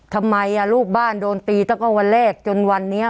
ทำไมลูกบ้านโดนตีตั้งแต่วันแรกจนวันนี้